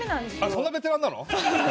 「そんなベテランなの？」